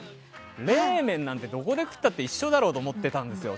冷麺なんてどこで食ったって一緒だろって思ってたんですよ。